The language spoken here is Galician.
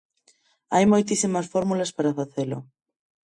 Hai moitísimas fórmulas para facelo.